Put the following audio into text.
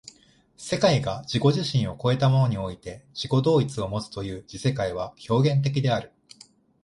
世界が自己自身を越えたものにおいて自己同一をもつという時世界は表現的である。